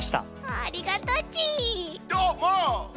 ありがとち！